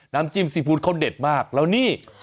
น้ำจิ้มซีฟู้ดเขาเด็ดมากแล้วนี่